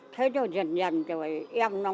thế rồi dần dần rồi em nó